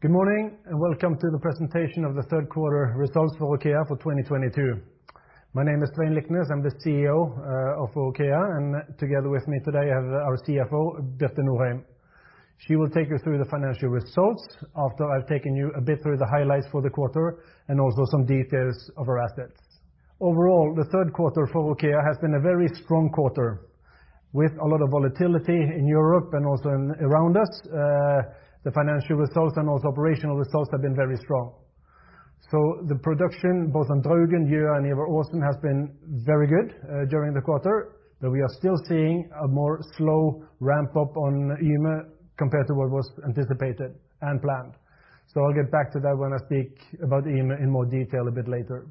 Good morning, and welcome to the presentation of the Q3 results for OKEA for 2022. My name is Svein Liknes, I'm the CEO of OKEA, and together with me today, I have our CFO, Birte Norheim. She will take you through the financial results after I've taken you a bit through the highlights for the quarter and also some details of our assets. Overall, the Q3 for OKEA has been a very strong quarter. With a lot of volatility in Europe and also in and around us, the financial results and also operational results have been very strong. The production both on Draugen, Ula, and Ivar Aasen has been very good during the quarter, but we are still seeing a more slow ramp-up on Yme compared to what was anticipated and planned. I'll get back to that when I speak about Yme in more detail a bit later.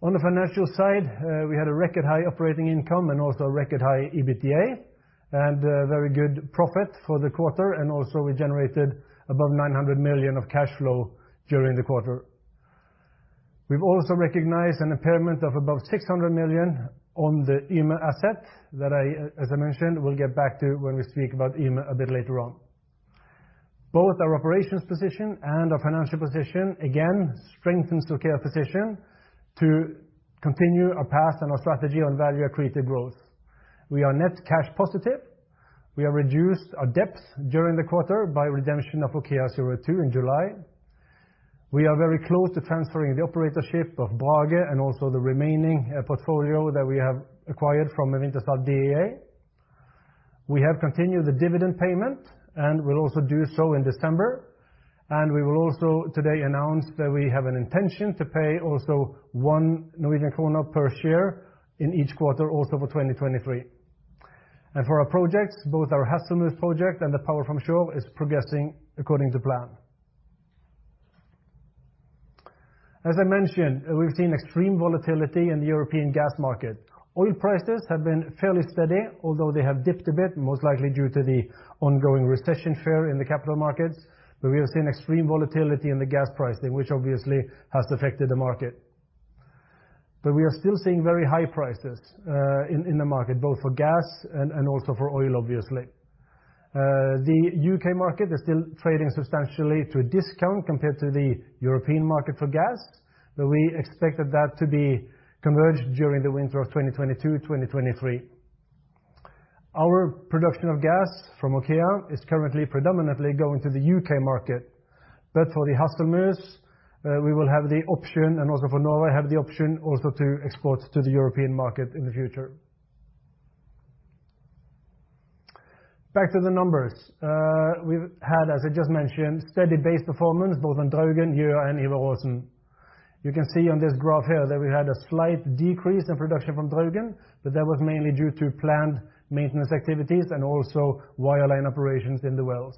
On the financial side, we had a record high operating income and also a record high EBITDA, and very good profit for the quarter. We generated above 900 million of cash flow during the quarter. We've also recognized an impairment of above 600 million on the Yme asset that I, as I mentioned, we'll get back to when we speak about Yme a bit later on. Both our operations position and our financial position again strengthens OKEA position to continue our path and our strategy on value-accretive growth. We are net cash positive. We have reduced our debt during the quarter by redemption of OKEA zero two in July. We are very close to transferring the operatorship of Brage and also the remaining portfolio that we have acquired from Wintershall Dea. We have continued the dividend payment, and we'll also do so in December. We will also today announce that we have an intention to pay also 1 Norwegian krone per share in each quarter also for 2023. For our projects, both our Hasselmus project and Power from Shore is progressing according to plan. As I mentioned, we've seen extreme volatility in the European gas market. Oil prices have been fairly steady, although they have dipped a bit, most likely due to the ongoing recession fear in the capital markets. We have seen extreme volatility in the gas pricing, which obviously has affected the market. We are still seeing very high prices in the market, both for gas and also for oil, obviously. The UK market is still trading substantially to a discount compared to the European market for gas, but we expected that to be converged during the winter of 2022-2023. Our production of gas from OKEA is currently predominantly going to the UK market. For the customers, we will have the option, and also for Norway, have the option also to export to the European market in the future. Back to the numbers. We've had, as I just mentioned, steady base performance, both on Draugen, Ula, and Ivar Aasen. You can see on this graph here that we had a slight decrease in production from Draugen, but that was mainly due to planned maintenance activities and also wireline operations in the wells.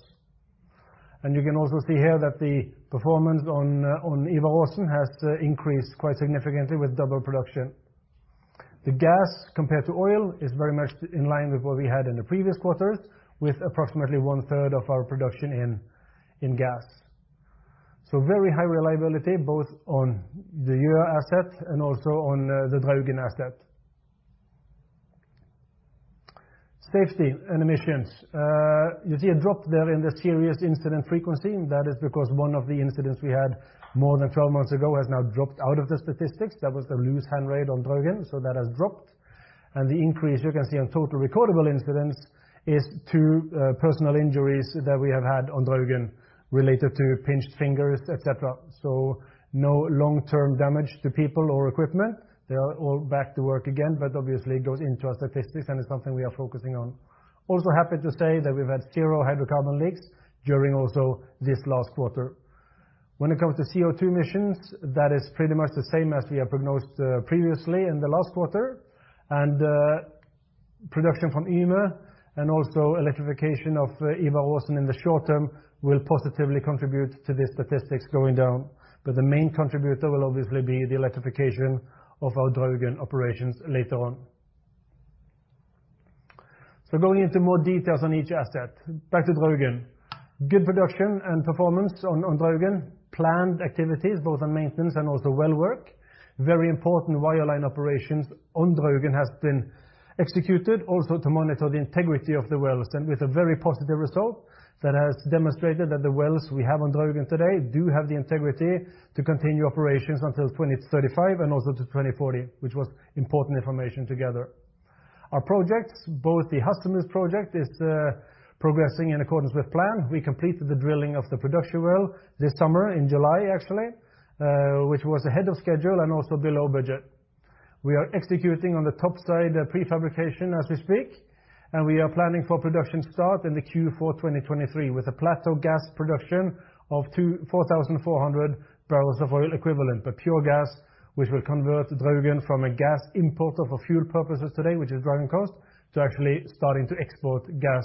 You can also see here that the performance on Ivar Aasen has increased quite significantly with double production. The gas compared to oil is very much in line with what we had in the previous quarters, with approximately one-third of our production in gas. Very high reliability, both on the Ula asset and also on the Draugen asset. Safety and emissions. You see a drop there in the serious incident frequency. That is because one of the incidents we had more than 12 months ago has now dropped out of the statistics. That was the loose handrail on Draugen, so that has dropped. The increase you can see on total recordable incidents is 2 personal injuries that we have had on Draugen related to pinched fingers, et cetera. No long-term damage to people or equipment. They are all back to work again, but obviously it goes into our statistics, and it's something we are focusing on. Also happy to say that we've had zero hydrocarbon leaks during also this last quarter. When it comes to CO2 emissions, that is pretty much the same as we have prognosed previously in the last quarter. Production from Yme and also electrification of Ivar Aasen in the short term will positively contribute to the statistics going down. The main contributor will obviously be the electrification of our Draugen operations later on. Going into more details on each asset. Back to Draugen. Good production and performance on Draugen. Planned activities, both on maintenance and also well work. Very important wireline operations on Draugen has been executed also to monitor the integrity of the wells and with a very positive result that has demonstrated that the wells we have on Draugen today do have the integrity to continue operations until 2035 and also to 2040, which was important information to gather. Our projects, both the Hasselmus project is progressing in accordance with plan. We completed the drilling of the production well this summer in July, actually, which was ahead of schedule and also below budget. We are executing on the top side prefabrication as we speak, and we are planning for production start in the Q4 2023 with a plateau gas production of 24,400 barrels of oil equivalent, but pure gas, which will convert Draugen from a gas importer for fuel purposes today, which is driving cost, to actually starting to export gas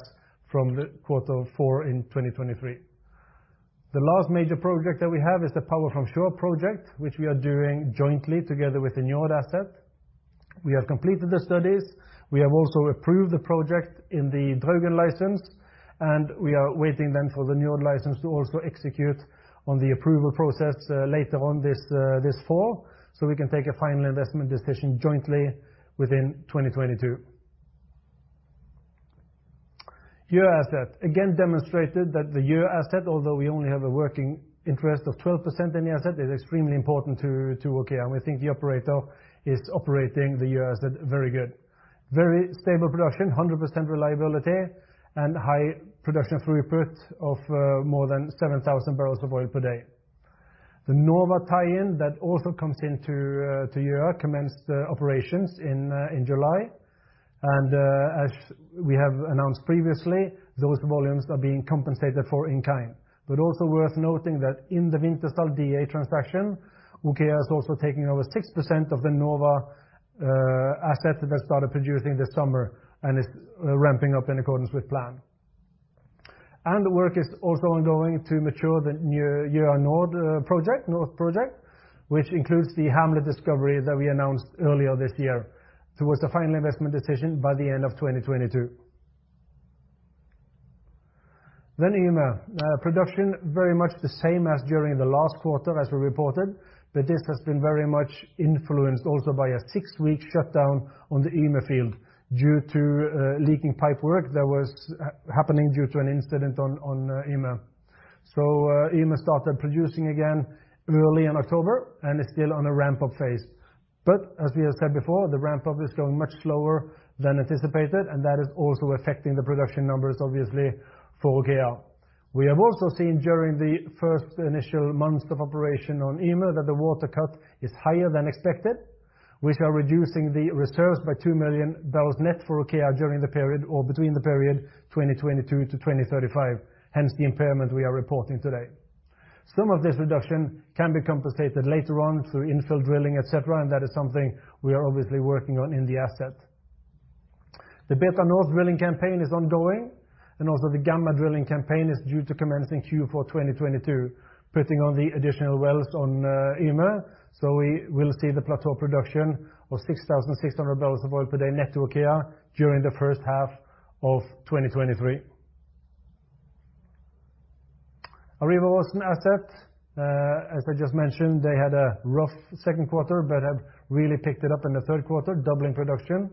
from the Q4 2023. The last major project that we have is the Power from Shore project, which we are doing jointly together with Equinor asset. We have completed the studies. We have also approved the project in the Draugen license. We are waiting then for the new license to also execute on the approval process later on this fall, so we can take a final investment decision jointly within 2022. Again, demonstrated that the Ula asset, although we only have a working interest of 12% in the asset, is extremely important to OKEA. We think the operator is operating the Ula asset very good. Very stable production, 100% reliability, and high production throughput of more than 7,000 barrels of oil per day. The Nova tie-in that also comes into to Ula commenced operations in July. As we have announced previously, those volumes are being compensated for in kind. Also worth noting that in the Wintershall Dea transaction, OKEA is also taking over 6% of the Nova assets that have started producing this summer and is ramping up in accordance with plan. The work is also ongoing to mature the new Ula Nord project, which includes the Hamlet discovery that we announced earlier this year towards the final investment decision by the end of 2022. Yme production very much the same as during the last quarter as we reported, but this has been very much influenced also by a six-week shutdown on the Yme field due to leaking pipe work that was happening due to an incident on Yme. Yme started producing again early in October and is still on a ramp-up phase. As we have said before, the ramp-up is going much slower than anticipated, and that is also affecting the production numbers obviously for OKEA. We have also seen during the first initial months of operation on Yme that the water cut is higher than expected, which are reducing the reserves by 2 million barrels net for OKEA during the period or between the period 2022-2035, hence the impairment we are reporting today. Some of this reduction can be compensated later on through infill drilling, et cetera, and that is something we are obviously working on in the asset. The Beta North drilling campaign is ongoing, and also the Gamma drilling campaign is due to commence in Q4 2022, putting on the additional wells on Yme. We will see the plateau production of 6,600 barrels of oil per day net to OKEA during the first half of 2023. Ivar Aasen asset, as I just mentioned, they had a rough Q2, but have really picked it up in the Q3, doubling production.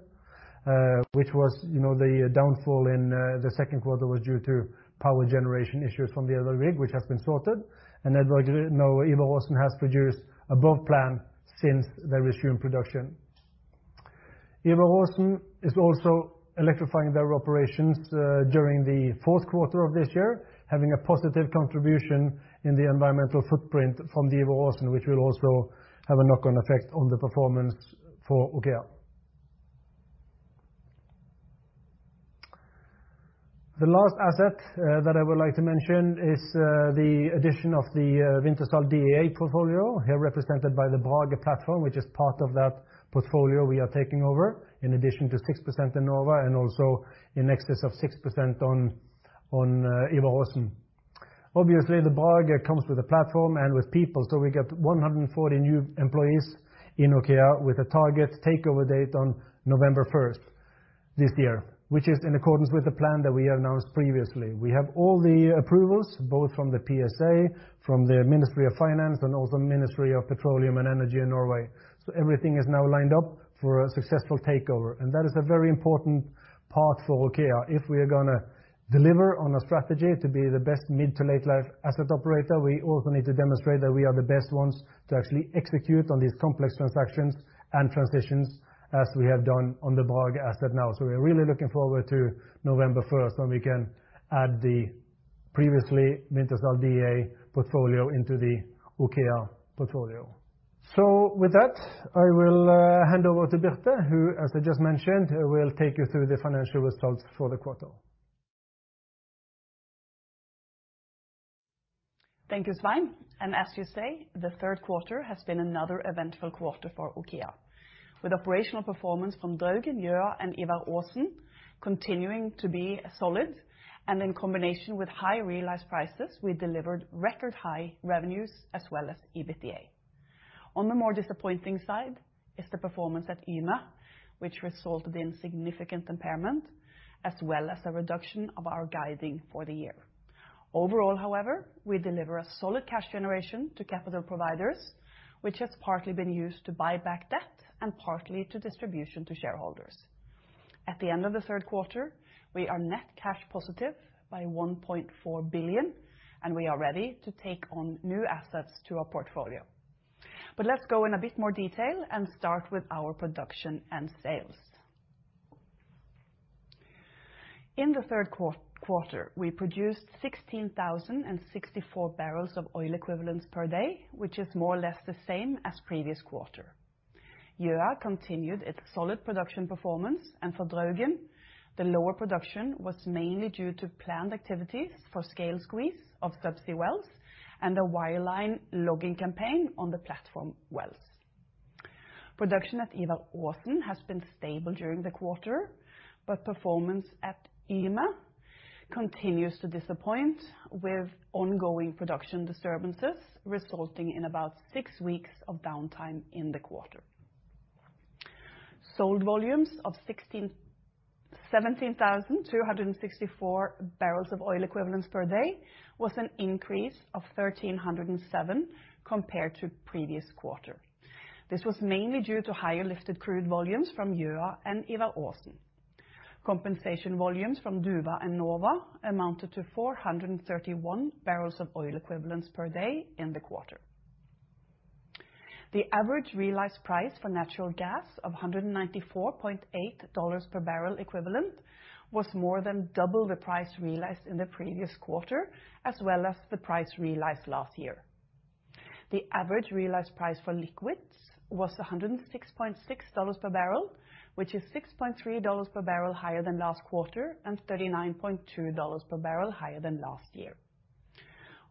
Which was, you know, the downfall in the Q2 was due to power generation issues from the other rig, which has been sorted. Ivar Aasen has produced above plan since they resumed production. Ivar Aasen is also electrifying their operations during the fourth quarter of this year, having a positive contribution in the environmental footprint from the Ivar Aasen, which will also have a knock-on effect on the performance for OKEA. The last asset that I would like to mention is the addition of the Wintershall Dea portfolio, here represented by the Brage platform, which is part of that portfolio we are taking over, in addition to 6% in Nova and also in excess of 6% on Ivar Aasen. Obviously, the Brage comes with a platform and with people, so we get 140 new employees in OKEA with a target takeover date on November first this year, which is in accordance with the plan that we announced previously. We have all the approvals, both from the PSA, from the Ministry of Finance, and also Ministry of Petroleum and Energy in Norway. Everything is now lined up for a successful takeover. That is a very important part for OKEA. If we are gonna deliver on a strategy to be the best mid- to late-life asset operator, we also need to demonstrate that we are the best ones to actually execute on these complex transactions and transitions as we have done on the Brage asset now. We are really looking forward to November first when we can add the previously Wintershall Dea portfolio into the OKEA portfolio. With that, I will hand over to Birte, who, as I just mentioned, will take you through the financial results for the quarter. Thank you, Svein. As you say, the Q3 has been another eventful quarter for OKEA. With operational performance from Draugen, Yme, and Ivar Aasen continuing to be solid, and in combination with high realized prices, we delivered record high revenues as well as EBITDA. On the more disappointing side is the performance at Yme, which resulted in significant impairment, as well as a reduction of our guidance for the year. Overall, however, we deliver a solid cash generation to capital providers, which has partly been used to buy back debt and partly to distributions to shareholders. At the end of the Q3, we are net cash positive by 1.4 billion, and we are ready to take on new assets to our portfolio. Let's go in a bit more detail and start with our production and sales. In the Q3, we produced 16,064 barrels of oil equivalents per day, which is more or less the same as previous quarter. Yme continued its solid production performance. For Draugen, the lower production was mainly due to planned activities for scale squeeze of subsea wells and a wireline logging campaign on the platform wells. Production at Ivar Aasen has been stable during the quarter, but performance at Yme continues to disappoint, with ongoing production disturbances resulting in about six weeks of downtime in the quarter. Sold volumes of 17,264 barrels of oil equivalents per day was an increase of 1,307 compared to previous quarter. This was mainly due to higher lifted crude volumes from Gjøa and Ivar Aasen. Compensation volumes from Duva and Nova amounted to 431 barrels of oil equivalents per day in the quarter. The average realized price for natural gas of $194.8 per barrel equivalent was more than double the price realized in the previous quarter, as well as the price realized last year. The average realized price for liquids was $106.6 per barrel, which is $6.3 per barrel higher than last quarter, and $39.2 per barrel higher than last year.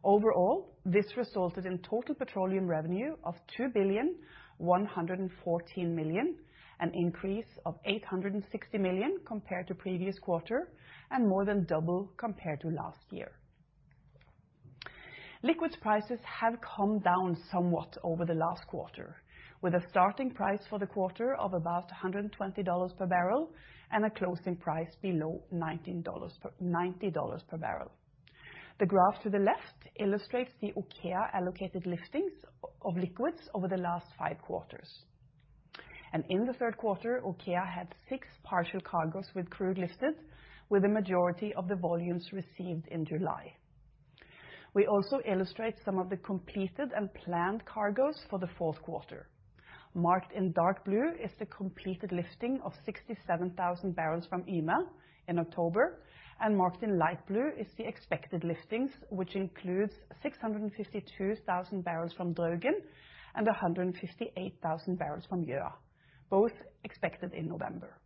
Overall, this resulted in total petroleum revenue of 2,114 million, an increase of 860 million compared to previous quarter, and more than double compared to last year. Liquid prices have come down somewhat over the last quarter, with a starting price for the quarter of about $120 per barrel, and a closing price below $90 per barrel. The graph to the left illustrates the OKEA allocated liftings of liquids over the last five quarters. In the Q3, OKEA had six partial cargos with crude lifted, with the majority of the volumes received in July. We also illustrate some of the completed and planned cargos for the fourth quarter. Marked in dark blue is the completed lifting of 67,000 barrels from Yme in October, and marked in light blue is the expected liftings, which includes 652,000 barrels from Draugen, and 158,000 barrels from Gjøa, both expected in November.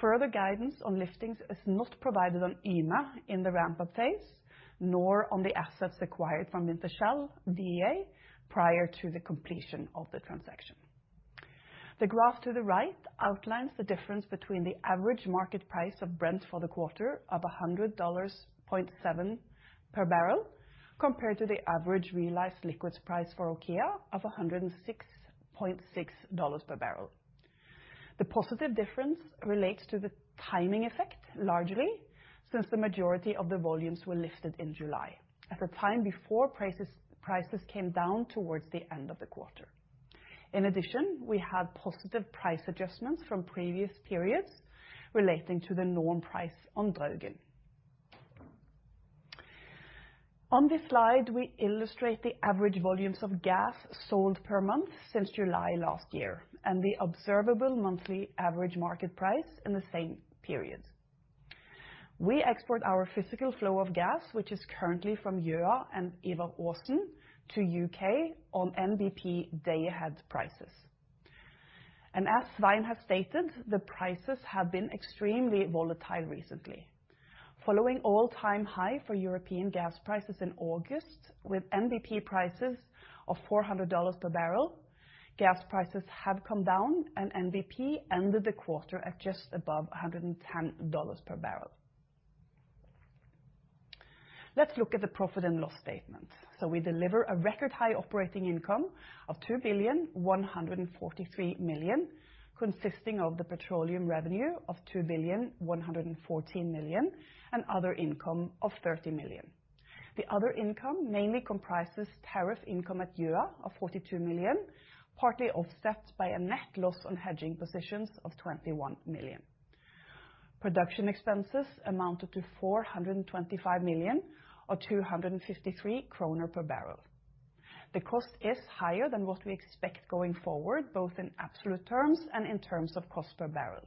Further guidance on liftings is not provided on Yme in the ramp-up phase, nor on the assets acquired from Wintershall Dea prior to the completion of the transaction. The graph to the right outlines the difference between the average market price of Brent for the quarter of $100.7 per barrel, compared to the average realized liquids price for OKEA of $106.6 per barrel. The positive difference relates to the timing effect, largely, since the majority of the volumes were lifted in July, at the time before prices came down towards the end of the quarter. In addition, we had positive price adjustments from previous periods relating to the norm price on Draugen. On this slide, we illustrate the average volumes of gas sold per month since July last year, and the observable monthly average market price in the same period. We export our physical flow of gas, which is currently from Gjøa and Ivar Aasen to UK on NBP day-ahead prices. As Svein has stated, the prices have been extremely volatile recently. Following all-time high for European gas prices in August, with NBP prices of $400 per barrel, gas prices have come down, and NBP ended the quarter at just above $110 per barrel. Let's look at the profit and loss statement. We deliver a record high operating income of 2.143 billion, consisting of the petroleum revenue of 2.114 billion, and other income of 30 million. The other income mainly comprises tariff income at Gjøa of 42 million, partly offset by a net loss on hedging positions of 21 million. Production expenses amounted to 425 million, or 253 kroner per barrel. The cost is higher than what we expect going forward, both in absolute terms and in terms of cost per barrel.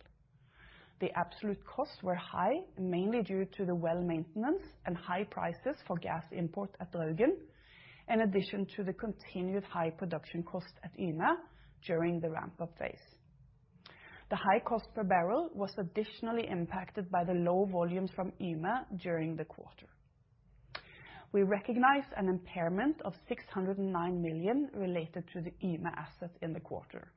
The absolute costs were high, mainly due to the well maintenance and high prices for gas import at Draugen, in addition to the continued high production cost at Yme during the ramp-up phase. The high cost per barrel was additionally impacted by the low volumes from Yme during the quarter. We recognize an impairment of 609 million related to the Yme asset in the quarter.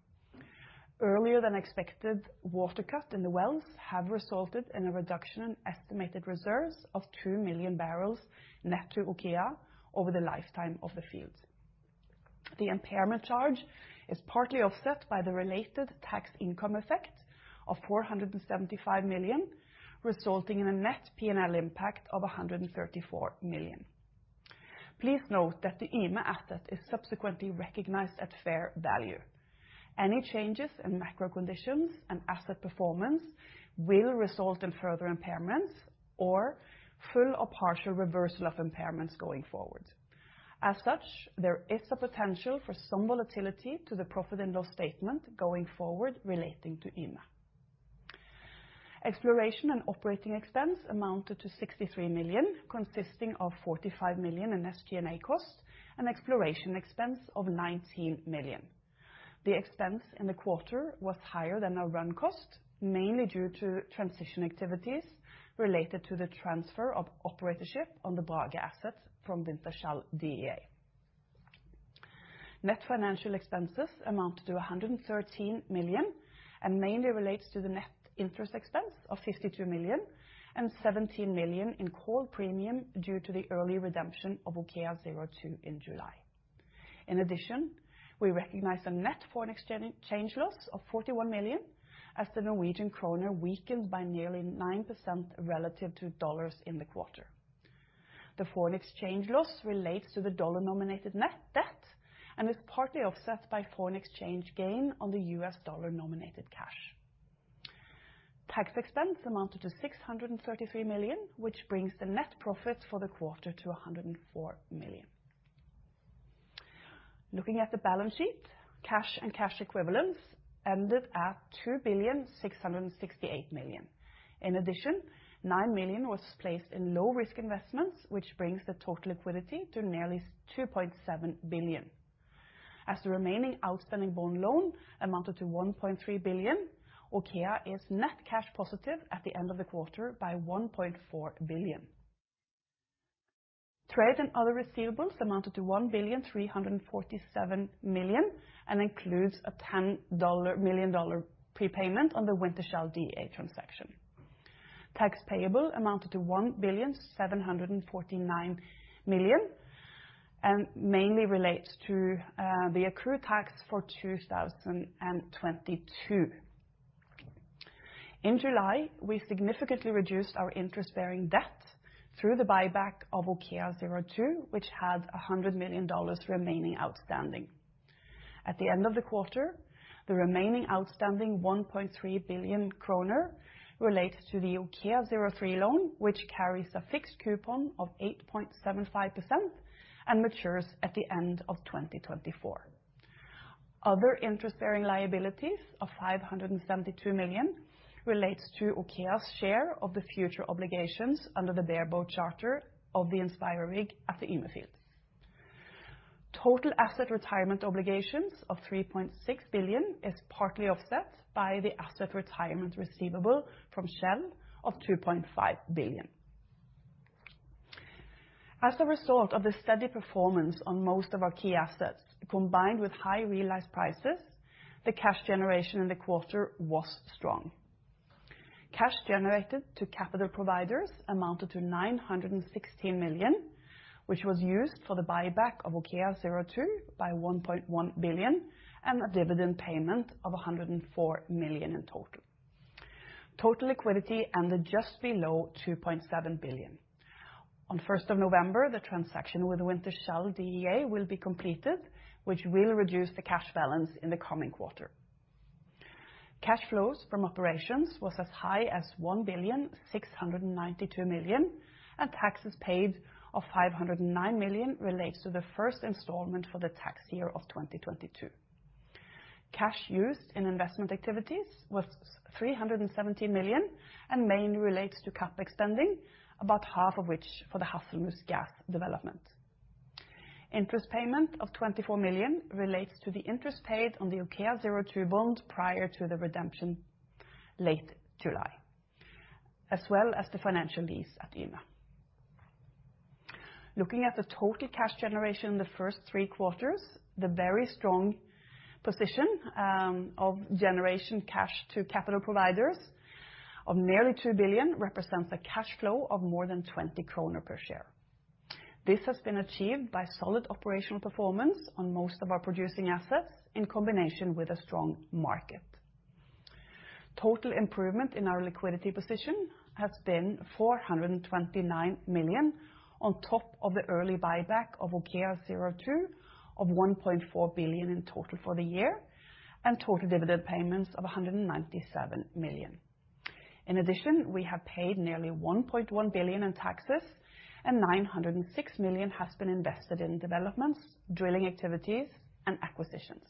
Earlier than expected water cut in the wells have resulted in a reduction in estimated reserves of 2 million barrels net to OKEA over the lifetime of the field. The impairment charge is partly offset by the related tax income effect of 475 million, resulting in a net P&L impact of 134 million. Please note that the Yme asset is subsequently recognized at fair value. Any changes in macro conditions and asset performance will result in further impairments or full or partial reversal of impairments going forward. As such, there is a potential for some volatility to the profit and loss statement going forward relating to Yme. Exploration and operating expense amounted to 63 million, consisting of 45 million in SG&A costs and exploration expense of 19 million. The expense in the quarter was higher than our run cost, mainly due to transition activities related to the transfer of operatorship on the Brage asset from Wintershall Dea. Net financial expenses amounted to 113 million, and mainly relates to the net interest expense of 52 million and 17 million in call premium due to the early redemption of OKEA02 in July. In addition, we recognize the net foreign exchange loss of 41 million as the Norwegian kroner weakened by nearly 9% relative to dollars in the quarter. The foreign exchange loss relates to the dollar-denominated net debt, and is partly offset by foreign exchange gain on the US dollar-denominated cash. Tax expense amounted to 633 million, which brings the net profits for the quarter to 104 million. Looking at the balance sheet, cash and cash equivalents ended at 2,668 million. In addition, 9 million was placed in low-risk investments, which brings the total liquidity to nearly 2.7 billion. As the remaining outstanding bond loan amounted to 1.3 billion, OKEA is net cash positive at the end of the quarter by 1.4 billion. Trade and other receivables amounted to 1,347 million, and includes a $10 million prepayment on the Wintershall Dea transaction. Tax payable amounted to 1,749 million, and mainly relates to the accrued tax for 2022. In July, we significantly reduced our interest-bearing debt through the buyback of OKEA02, which has $100 million remaining outstanding. At the end of the quarter, the remaining outstanding 1.3 billion kroner related to the OKEA 03 loan, which carries a fixed coupon of 8.75% and matures at the end of 2024. Other interest-bearing liabilities of 572 million relates to OKEA's share of the future obligations under the bareboat charter of the Maersk Inspirer rig at the Yme fields. Total asset retirement obligations of 3.6 billion is partly offset by the asset retirement receivable from Shell of 2.5 billion. As a result of the steady performance on most of our key assets, combined with high realized prices, the cash generation in the quarter was strong. Cash generated to capital providers amounted to 960 million, which was used for the buyback of OKEA02 by 1.1 billion, and a dividend payment of 104 million in total. Total liquidity ended just below 2.7 billion. On the first of November, the transaction with Wintershall Dea will be completed, which will reduce the cash balance in the coming quarter. Cash flows from operations was as high as 1,692 million, and taxes paid of 509 million relates to the first installment for the tax year of 2022. Cash used in investment activities was 370 million and mainly relates to CapEx spending, about half of which for the Hasselmus gas development. Interest payment of 24 million relates to the interest paid on the OKEA zero two bond prior to the redemption late July, as well as the financial lease at Yme. Looking at the total cash generation in the first three quarters, the very strong position of generation cash to capital providers of nearly 2 billion represents a cash flow of more than 20 kroner per share. This has been achieved by solid operational performance on most of our producing assets in combination with a strong market. Total improvement in our liquidity position has been 429 million, on top of the early buyback of OKEA zero two of 1.4 billion in total for the year, and total dividend payments of 197 million. In addition, we have paid nearly 1.1 billion in taxes, and 906 million has been invested in developments, drilling activities, and acquisitions.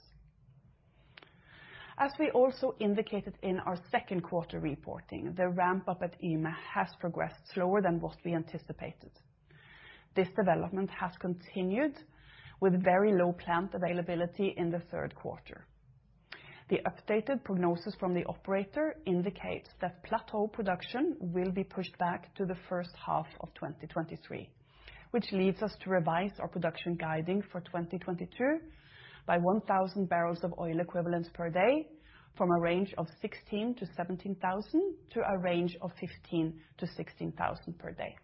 As we also indicated in our Q2 reporting, the ramp-up at Yme has progressed slower than what we anticipated. This development has continued with very low plant availability in the Q3. The updated prognosis from the operator indicates that plateau production will be pushed back to the first half of 2023, which leads us to revise our production guidance for 2022 by 1,000 barrels of oil equivalents per day from a range of 16,000-17,000 to a range of 15,000-16,000 per day.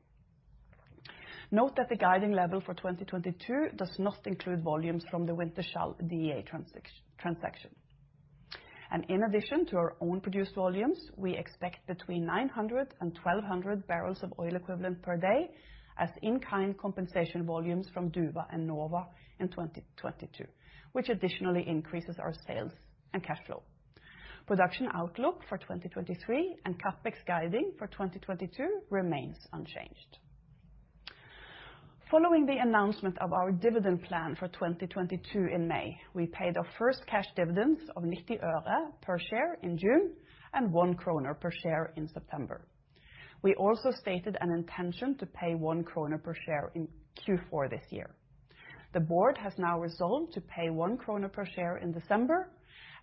Note that the guidance level for 2022 does not include volumes from the Wintershall Dea transaction. In addition to our own produced volumes, we expect between 900 and 1,200 barrels of oil equivalent per day as in-kind compensation volumes from Duva and Nova in 2022, which additionally increases our sales and cash flow. Production outlook for 2023 and CapEx guiding for 2022 remains unchanged. Following the announcement of our dividend plan for 2022 in May, we paid our first cash dividends of NOK 0.90 per share in June, and 1 kroner per share in September. We also stated an intention to pay 1 kroner per share in Q4 this year. The board has now resolved to pay 1 kroner per share in December,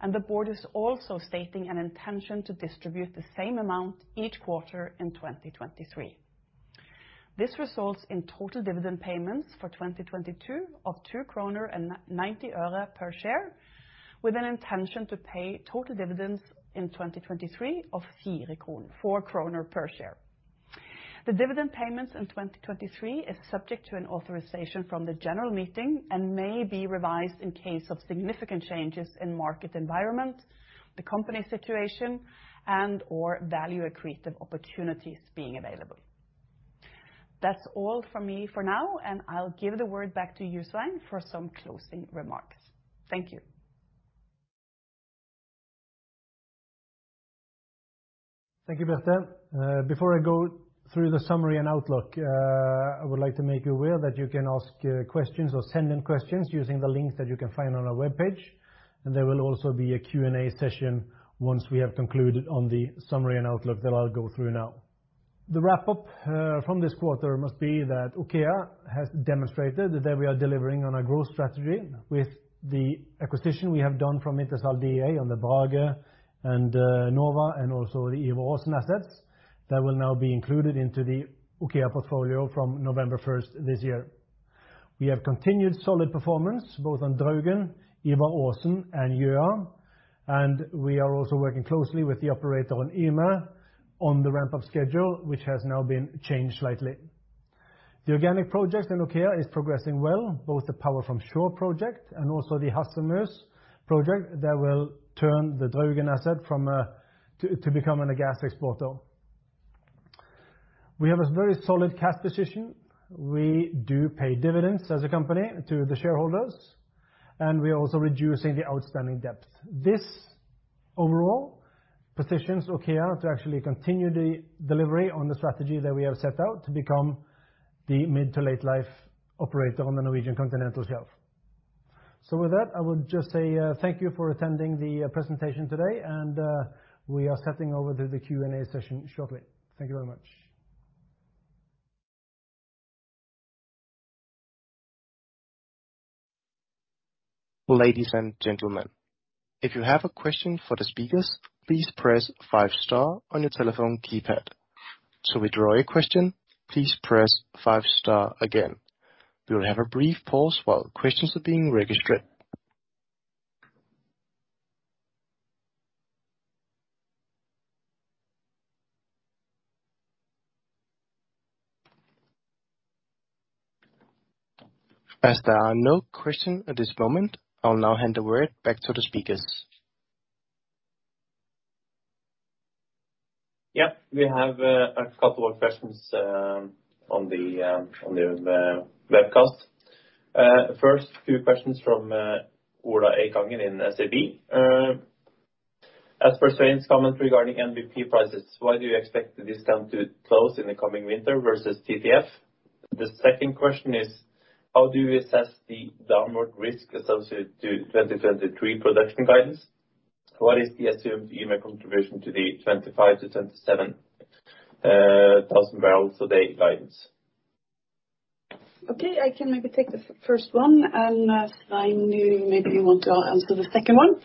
and the board is also stating an intention to distribute the same amount each quarter in 2023. This results in total dividend payments for 2022 of NOK 2.90 per share, with an intention to pay total dividends in 2023 of 4 kroner per share. The dividend payments in 2023 is subject to an authorization from the general meeting and may be revised in case of significant changes in market environment, the company situation, and/or value accretive opportunities being available. That's all from me for now, and I'll give the word back to you, Svein, for some closing remarks. Thank you. Thank you, Birte. Before I go through the summary and outlook, I would like to make you aware that you can ask questions or send in questions using the links that you can find on our webpage. There will also be a Q&A session once we have concluded on the summary and outlook that I'll go through now. The wrap up from this quarter must be that OKEA has demonstrated that we are delivering on our growth strategy with the acquisition we have done from Wintershall Dea on the Brage and Nova and also the Ivar Aasen assets that will now be included into the OKEA portfolio from November first this year. We have continued solid performance both on Draugen, Ivar Aasen and Gjøa, and we are also working closely with the operator on Yme on the ramp-up schedule, which has now been changed slightly. The organic project in OKEA is progressing well, both the Power from Shore project and also the Hasselmus project that will turn the Draugen asset from to becoming a gas exporter. We have a very solid cash position. We do pay dividends as a company to the shareholders, and we're also reducing the outstanding debt. This overall positions OKEA to actually continue the delivery on the strategy that we have set out to become the mid- to late-life operator on the Norwegian Continental Shelf. With that, I would just say thank you for attending the presentation today, and we are sending over to the Q&A session shortly. Thank you very much. Ladies and gentlemen, if you have a question for the speakers, please press five star on your telephone keypad. To withdraw your question, please press five star again. We will have a brief pause while questions are being registered. As there are no questions at this moment, I'll now hand the word back to the speakers. Yeah, we have a couple of questions on the webcast. First two questions from Ola Eikanger in SEB. As for Svein's comment regarding NBP prices, why do you expect the discount to close in the coming winter versus TTF? The second question is, how do you assess the downward risk associated to 2023 production guidance? What is the assumed Yme contribution to the 25-27 thousand barrels a day guidance? Okay. I can maybe take the first one, and Svein, you maybe want to answer the second one.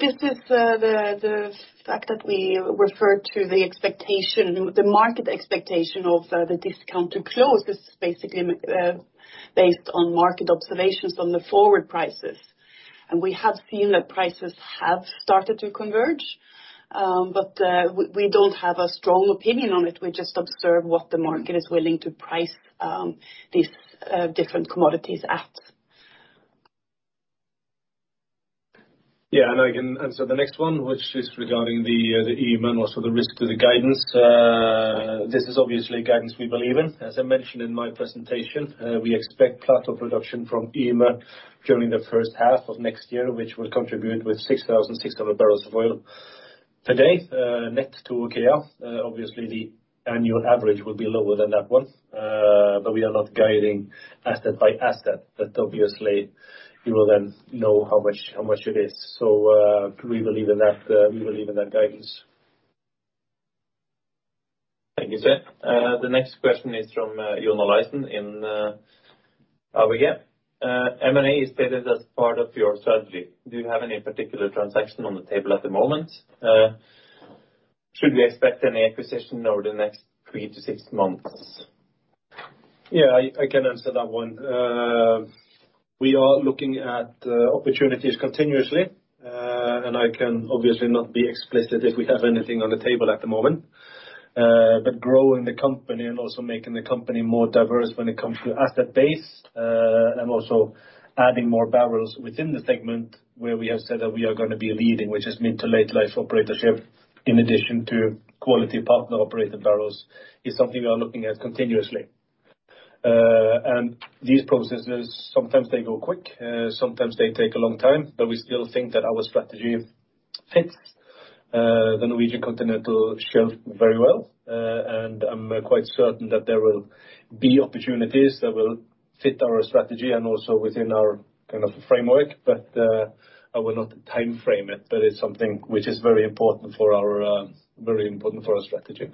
This is the fact that we refer to the expectation, the market expectation of the discount to close. This is basically based on market observations on the forward prices. We have seen that prices have started to converge, but we don't have a strong opinion on it. We just observe what the market is willing to price these different commodities at. Yeah, I can answer the next one, which is regarding the Yme and also the risk to the guidance. This is obviously guidance we believe in. As I mentioned in my presentation, we expect plateau production from Yme during the first half of next year, which will contribute with 6,600 barrels of oil per day, net to OKEA. Obviously, the annual average will be lower than that one, but we are not guiding asset by asset. Obviously, you will then know how much it is. We believe in that guidance. Thank you, Svein. The next question is from Jonas Lysen in ABG Sundal Collier. M&A is stated as part of your strategy. Do you have any particular transaction on the table at the moment? Should we expect any acquisition over the next 3-6 months? Yeah, I can answer that one. We are looking at opportunities continuously. I can obviously not be explicit if we have anything on the table at the moment. Growing the company and also making the company more diverse when it comes to asset base, and also adding more barrels within the segment where we have said that we are gonna be leading, which is mid- to late-life operatorship, in addition to quality partner-operated barrels, is something we are looking at continuously. These processes sometimes go quick, sometimes they take a long time, but we still think that our strategy fits the Norwegian Continental Shelf very well. I'm quite certain that there will be opportunities that will fit our strategy and also within our kind of framework. I will not timeframe it, but it's something which is very important for our strategy.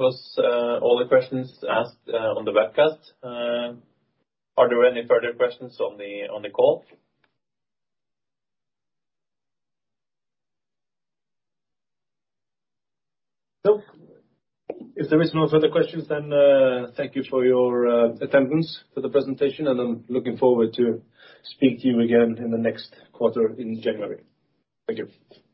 Yeah, that was all the questions asked on the webcast. Are there any further questions on the call? No. If there is no further questions, then, thank you for your attendance to the presentation, and I'm looking forward to speak to you again in the next quarter in January. Thank you.